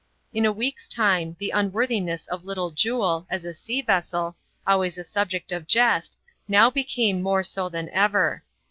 In a week's time, the un worthiness of Little Jule, as a sea vessel, always a subject of jest, now became more so than ever.